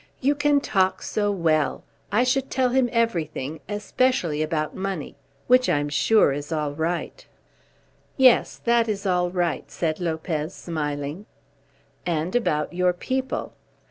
"You can talk so well! I should tell him everything, especially about money, which I'm sure is all right." "Yes, that is all right," said Lopez, smiling. "And about your people."